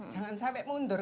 jangan sampai mundur